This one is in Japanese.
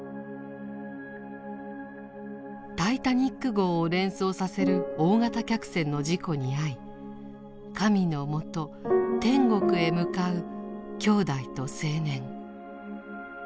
タイタニック号を連想させる大型客船の事故に遭い神のもと天国へ向かう姉弟と青年。